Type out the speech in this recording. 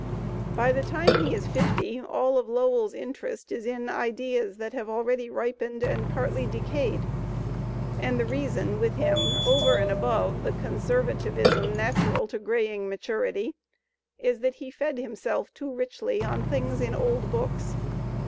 By the time he is fifty, all Lowell's interest is in ideas that have already ripened and partly decayed. And the reason, with him, over and above the conservatism natural to graying maturity, is that he fed himself too richly on things in old books.